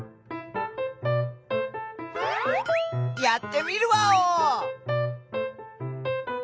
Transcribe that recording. やってみるワオ！